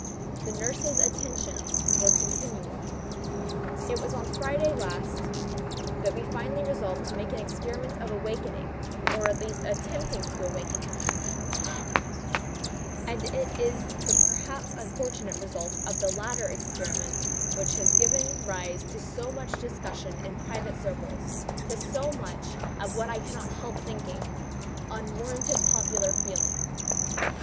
The nurses' attentions were continual. It was on Friday last that we finally resolved to make the experiment of awakening, or attempting to awaken him; and it is the (perhaps) unfortunate result of this latter experiment which has given rise to so much discussion in private circles—to so much of what I cannot help thinking unwarranted popular feeling.